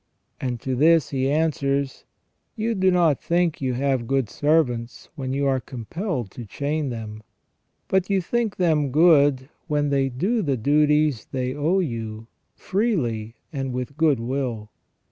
And to this he answers :" You do not think you have good servants when you are com pelled to chain them ; but you think them good when they do the duties they owe you freely and with good will.